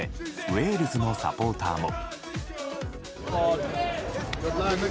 ウェールズのサポーターも。